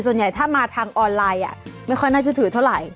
ส่วนใหญ่ถ้ามาทางออนไลน์ไม่ค่อยน่าจะถือเท่าไหร่